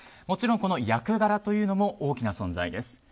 もちろん、役柄というのも大きな存在です。